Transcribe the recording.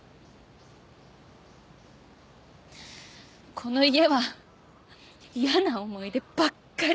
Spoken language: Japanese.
この家は嫌な思い出ばっかり！